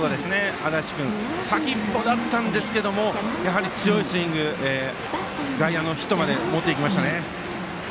安達君先っぽだったんですけれどもやはり強いスイング外野のヒットまで持っていきました。